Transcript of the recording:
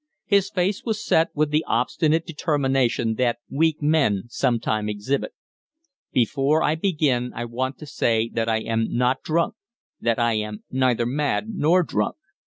His face was set with the obstinate determination that weak men sometime exhibit. "Before I begin I want to say that I am not drunk that I am neither mad nor drunk."